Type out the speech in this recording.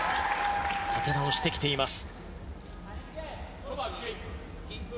立て直してきています。